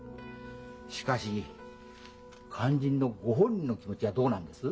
しかし肝心のご本人の気持ちはどうなんです？